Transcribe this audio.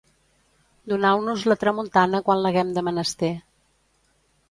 Donau-nos la tramuntana quan l'haguem de menester.